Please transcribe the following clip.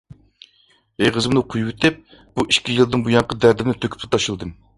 ئېغىزىمنى قويۇۋېتىپ بۇ ئىككى يىلدىن بۇيانقى دەردىمنى تۆكۈپلا تاشلىدىم.